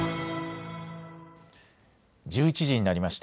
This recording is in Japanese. １１時になりました。